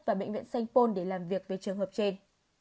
và bệnh viện sanh pôn để làm việc về trường hợp trên